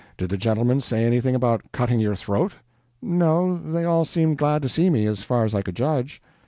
Did the gentleman say anything about cutting your throat?" "No, they all seemed glad to see me, as far as I could judge."